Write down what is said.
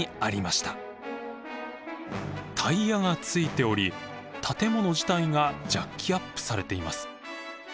タイヤがついており建物自体がジャッキアップされています。